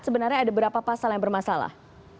sebenarnya ada berapa pasal yang bermasalah